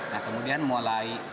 nah kemudian mulai